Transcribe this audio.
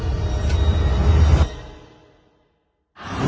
ที่สุดท้าย